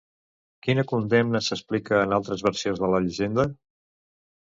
Quina condemna s'explica en altres versions de la llegenda?